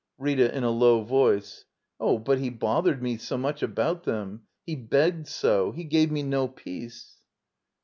Rita, [In a low voice.] Dh, but he bothered me so much about them — he begged so. He gave me no peace.